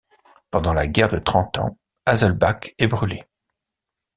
Pendant la Guerre de Trente Ans, Haselbach est brûlé.